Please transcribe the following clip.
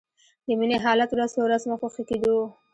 د مينې حالت ورځ په ورځ مخ په ښه کېدو و